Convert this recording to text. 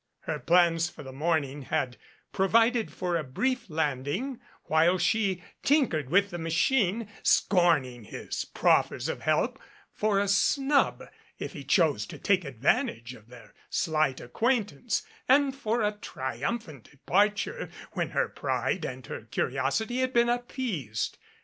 Her plans for the morning had provided for a brief landing while she tinkered with the machine, scorning his proffers of help ; for a snub, if he chose to take advantage of their slight acquaintance; and for a triumphant de parture when her pride and her curiosity had been ap peased.